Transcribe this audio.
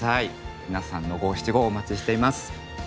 皆さんの五七五をお待ちしています。